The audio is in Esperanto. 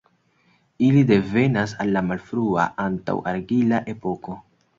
Ili devenas el la malfrua, antaŭ-argila epoko.